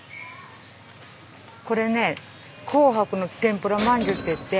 これね紅白の天ぷらまんじゅうっていって。